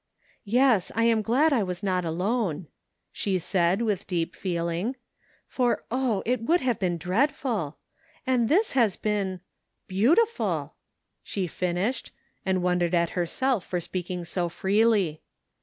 " Yes, I am glad I was not alone," she said with deep feeling, " for, oh, it would have been dreadful I And this has been — beautiful/' she finished, and won dered at herself for speaking so freely.